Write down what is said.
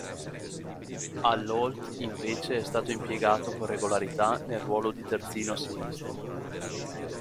All'Olt, invece, è stato impiegato con regolarità, nel ruolo di terzino sinistro.